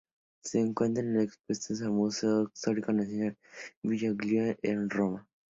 Se encuentra expuesta en el Museo Etrusco Nacional de Villa Giulia en Roma.